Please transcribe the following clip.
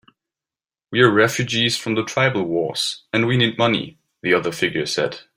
"We're refugees from the tribal wars, and we need money," the other figure said.